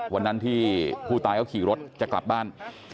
วันนั้นที่ผู้ตายเขาขี่รถจะกลับบ้าน